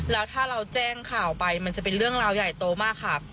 แล้วถ้าเราแจ้งข่าวไปมันจะเป็นเรื่องราวใหญ่โตมากค่ะ